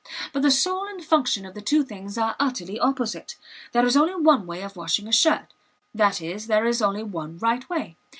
But the soul and function of the two things are utterly opposite. There is only one way of washing a shirt; that is, there is only one right way.